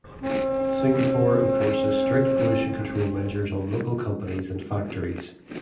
Singapore enforces strict pollution control measures on local companies and factories.